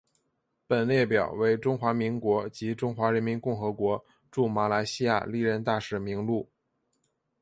本列表为中华民国及中华人民共和国驻马来西亚历任大使名录。